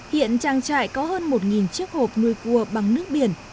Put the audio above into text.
hiện trang trại có hơn một chiếc hộp nuôi cua bằng nước biển